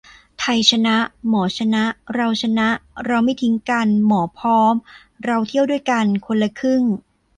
ไทยชนะ หมอชนะ เราชนะ เราไม่ทิ้งกัน หมอพร้อม เราเที่ยวด้วยกัน คนละครึ่ง